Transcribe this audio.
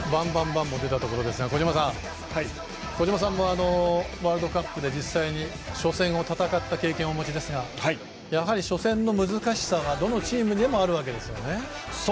バン！」も出たところですが小島さんも、ワールドカップで実際に初戦を戦った経験をお持ちですが初戦の難しさはどのチームにもあるわけですね。